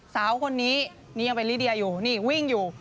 สาวคนนี้นี่ยังเป็นลิเดียอยู่นี่วิ่งอยู่